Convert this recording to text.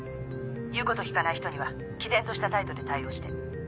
言うこと聞かない人には毅然とした態度で対応して。